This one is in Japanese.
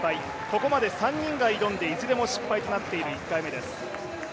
ここまで３人が挑んで、いずれも失敗となっている１回目です。